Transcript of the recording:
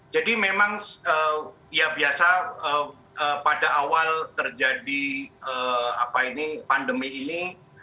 jadi memang ya biasa pada awal terjadi pandemi ini